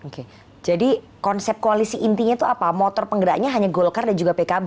oke jadi konsep koalisi intinya itu apa motor penggeraknya hanya golkar dan juga pkb